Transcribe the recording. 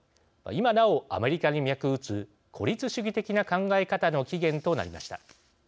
今なお、アメリカに脈打つ孤立主義的な考え方の起源となりました。